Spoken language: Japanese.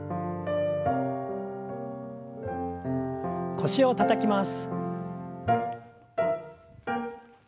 腰をたたきます。